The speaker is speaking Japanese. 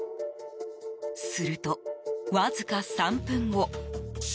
すると、わずか３分後。